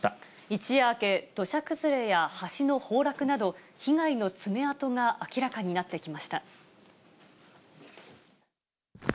一夜明け、土砂崩れや橋の崩落など、被害の爪痕が明らかになってきました。